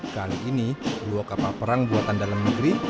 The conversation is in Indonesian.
kali ini dua kapal perang buatan dalam negeri